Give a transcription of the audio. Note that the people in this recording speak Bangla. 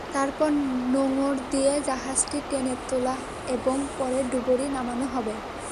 তারপর নোঙর দিয়ে জাহাজটি টেনে তোলা এবং পরে ডুবুরি নামানো হবে।